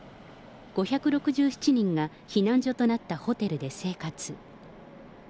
５６７人が避難所となったホテルで生活。